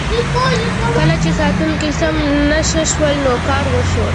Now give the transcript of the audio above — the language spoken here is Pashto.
کله چې ساتونکي سم نشه شول نو کار وشو.